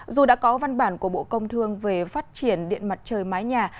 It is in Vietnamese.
dù đã có văn bản của bộ công thương về phát triển điện mặt trời mái nhà